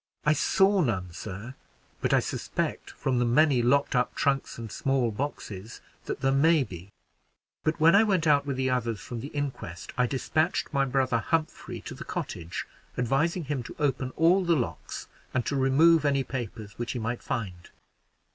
"I saw none, sir; but I suspect, from the many locked up trunks and small boxes, that there may be; but when I went out with the others from the inquest, I dispatched my brother Humphrey to the cottage, advising him to open all the locks and to remove any papers which he might find."